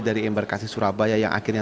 dari embarkasi surabaya yang akhirnya